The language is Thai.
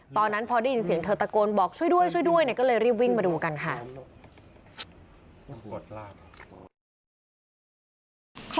ตอนนั้นพอได้ยินเสียงเธอตะโกนบอกช่วยด้วยช่วยด้วยก็เลยรีบวิ่งมาดูกันค่ะ